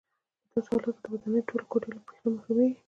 په داسې حالاتو کې د ودانۍ ټولې کوټې له برېښنا محرومېږي.